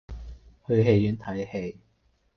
去戲院睇戯